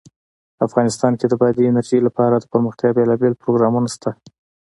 افغانستان کې د بادي انرژي لپاره دپرمختیا بېلابېل پروګرامونه شته.